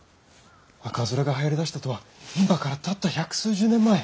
赤面がはやりだしたとは今からたった百数十年前！